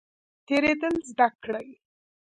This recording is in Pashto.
تیریدل زده کړئ